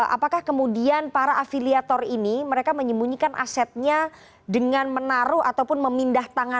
apakah kemudian para afiliator ini mereka menyembunyikan asetnya dengan menaruh ataupun membeli barang mewah